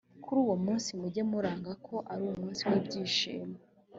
kuri uwo munsi mujye muranga ko ari umunsi w’ibyishimo